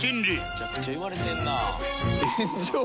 めちゃくちゃ言われてんな。